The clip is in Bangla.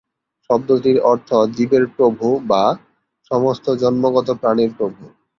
শব্দটির অর্থ "জীবের প্রভু", বা "সমস্ত জন্মগত প্রাণীর প্রভু"।